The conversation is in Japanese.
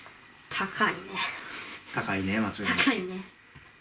高いね。